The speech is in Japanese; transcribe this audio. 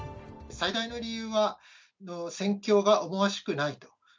最大の理由は、戦況が思わしくないと。